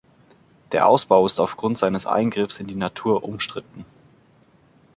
Der Ausbau ist aufgrund seines Eingriffs in die Natur umstritten.